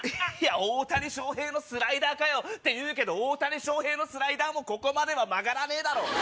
大谷翔平のスライダーかよ！っていうけど大谷翔平のスライダーもここまでは曲がらねえだろ！